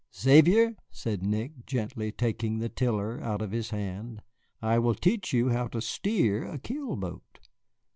"Xavier," said Nick, gently taking the tiller out of his hand, "I will teach you how to steer a keel boat."